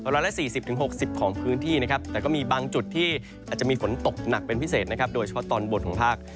ร้อยละ๔๐๖๐ของพื้นที่นะครับแต่ก็มีบางจุดที่อาจจะมีฝนตกหนักเป็นพิเศษนะครับโดยเฉพาะตอนบนของภาค